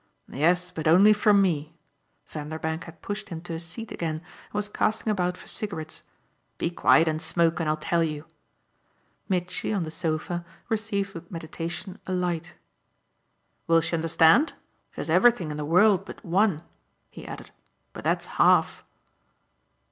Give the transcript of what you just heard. "Yes, but only from me." Vanderbank had pushed him to a seat again and was casting about for cigarettes. "Be quiet and smoke, and I'll tell you." Mitchy, on the sofa, received with meditation a light. "Will she understand? She has everything in the world but one," he added. "But that's half."